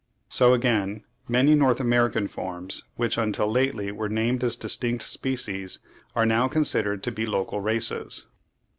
So again many North American forms which until lately were named as distinct species, are now considered to be local races.)